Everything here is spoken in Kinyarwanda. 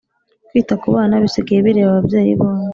kwita ku bana bisigaye bireba ababyeyi bombi.